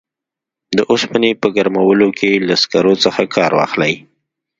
د اوسپنې په ګرمولو کې له سکرو څخه کار واخلي.